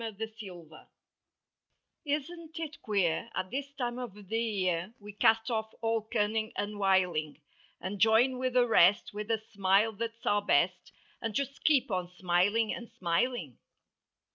33 THE HOLIDAY GRIN Isn't it queer at this time of the year We cast off all cunning and wileing And join with the rest with a smile that's our best And just keep on smiling and smiling?